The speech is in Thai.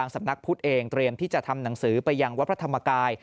สำนักพุทธเองเตรียมที่จะทำหนังสือไปยังวัดพระธรรมกาย